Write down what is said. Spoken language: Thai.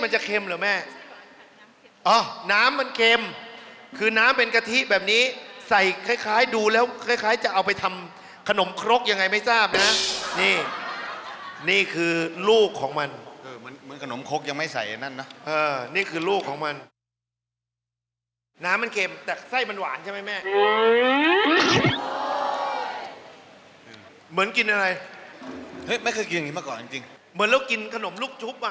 เหมือนเรากินขนมลูกชุบ